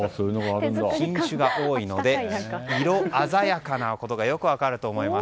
品種が多いので色鮮やかなことがよく分かると思います。